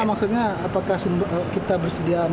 maksudnya apakah kita bersedia